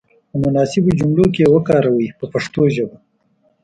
په مناسبو جملو کې یې وکاروئ په پښتو ژبه.